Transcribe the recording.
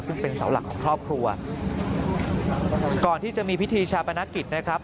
ซึ่งเป็นเสาหลักของครอบครัวก่อนที่จะมีพิธีชาปนกิจนะครับ